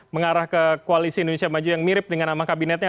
mengarah ke koalisi indonesia maju yang mirip dengan nama kabinetnya